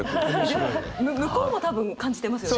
向こうも多分感じてますよね？